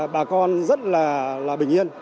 bà con rất là bình yên